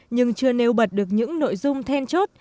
nhưng chưa nêu bật được những nội dung then chốt